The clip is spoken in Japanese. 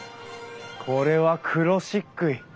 これは黒漆喰！